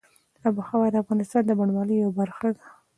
آب وهوا د افغانستان د بڼوالۍ یوه برخه ده.